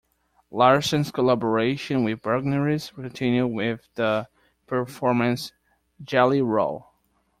Larsens collaboration with Bagneris continued with the performance Jelly Roll!!